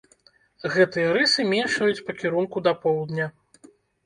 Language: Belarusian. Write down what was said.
Гэтыя рысы меншаюць па кірунку да поўдня.